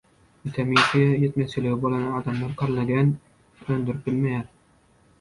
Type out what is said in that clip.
Witamin C ýetmezçiligi bolan adamlar kollageni öndürüp bilmeýär.